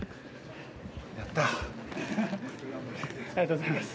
ありがとうございます。